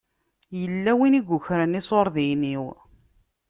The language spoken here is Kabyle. Yella win i yukren iṣuṛdiyen-iw.